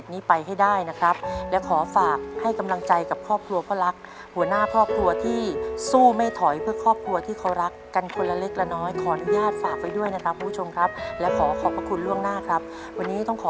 ไม่ต้องเหนื่อยแบบนี้